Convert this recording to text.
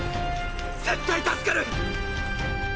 絶対助かる！！